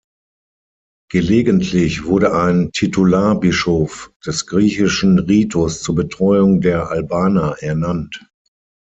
Gelegentlich wurde ein Titularbischof des griechischen Ritus zur Betreuung der Albaner ernannt.